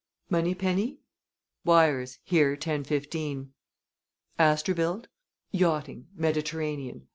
"Moneypenny?" "Wires, here ten fifteen." "Asterbilt?" "Yachting. Mediterranean.